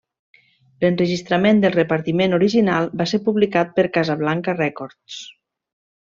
L'enregistrament del repartiment original va ser publicat per Casablanca Records.